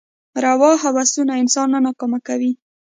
روا هوسونه انسان نه ناکام کوي.